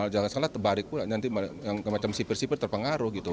jangan salah terbarik pula nanti yang semacam sipir sipir terpengaruh gitu